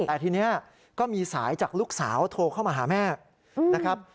แต่ทีนี้ก็มีสายจากลูกสาวโทรเข้ามาหาแม่นะครับ